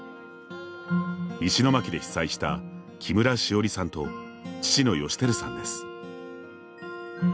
石巻で被災した、木村汐里さんと父の義輝さんです。